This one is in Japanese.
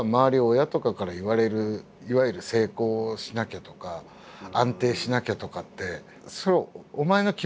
親とかから言われるいわゆる「成功しなきゃ」とか「安定しなきゃ」とかってそれはお前の気持ちじゃねえの？